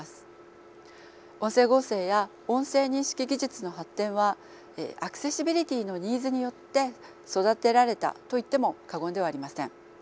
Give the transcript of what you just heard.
音声合成や音声認識技術の発展はアクセシビリティのニーズによって育てられたと言っても過言ではありません。